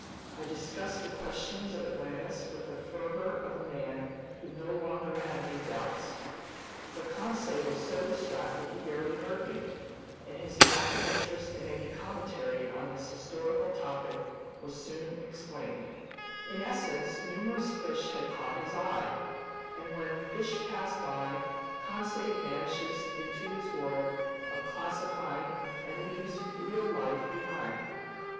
I discussed the question of Atlantis with the fervor of a man who no longer had any doubts. But Conseil was so distracted he barely heard me, and his lack of interest in any commentary on this historical topic was soon explained. *Bailly believed that Atlantis was located at the North Pole! Ed. In essence, numerous fish had caught his eye, and when fish pass by, Conseil vanishes into his world of classifying and leaves real life behind.